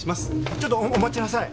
ちょっとお待ちなさい。